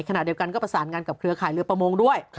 ขณะเดียวกันก็ประสานงานกับเครือข่ายเรือประมงด้วย